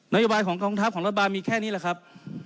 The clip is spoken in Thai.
โยบายของกองทัพของรัฐบาลมีแค่นี้แหละครับ